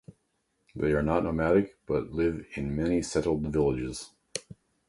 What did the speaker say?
They are not nomadic, but live in many settled villages.